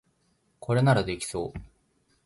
これならできそう